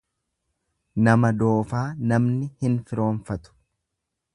Nama doofaa namni hin firoomfatu.